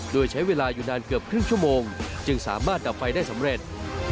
โดยใช้เวลาอยู่นานเกือบครึ่งชั่วโมงจึงสามารถดับไฟได้สำเร็จ